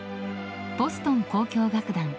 ボストン交響楽団